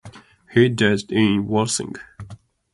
He died in Worthing.